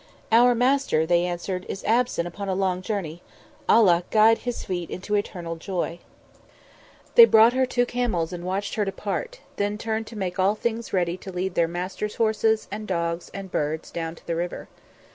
"Our Master," they answered, "is absent upon a long journey. Allah guide his feet into eternal joy." They brought her two camels and watched her depart, then turned to make all things ready to lead their Master's horses, and dogs, and birds down to the river.